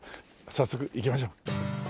早速行きましょう。